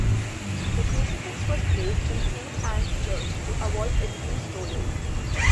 The crucifix was placed in Saint Anne's Church to avoid it being stolen.